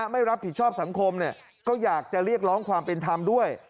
ไม่รับผิดชอบสังคมก็อยากจะเรียกร้องความเป็นธรรมด้วย